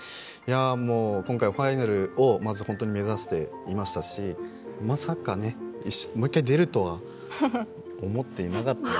もう今回のファイナルを本当に目指していましたしまさか、もう１回出るとは思っていなかったので。